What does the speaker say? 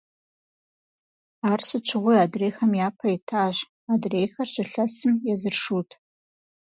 Ар сыт щыгъуи адрейхэм япэ итащ, адрейхэр «щылъэсым», езыр «шут».